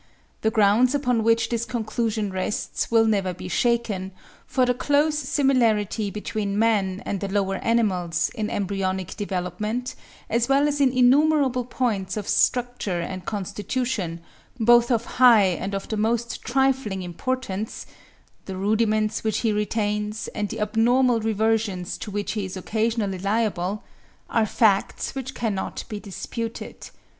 The grounds upon which this conclusion rests will never be shaken, for the close similarity between man and the lower animals in embryonic development, as well as in innumerable points of structure and constitution, both of high and of the most trifling importance,—the rudiments which he retains, and the abnormal reversions to which he is occasionally liable,—are facts which cannot be disputed.